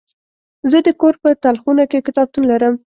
زه د کور په تلخونه کې کتابتون لرم.